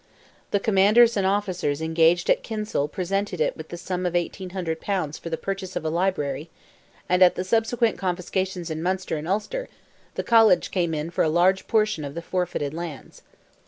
The commanders and officers engaged at Kinsale presented it with the sum of 1,800 pounds for the purchase of a library; and at the subsequent confiscations in Munster and Ulster, the College came in for a large portion of the forfeited lands.